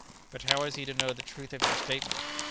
"But how is he to know the truth of your statement?"